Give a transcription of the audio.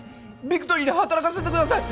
ビクトリーで働かせてください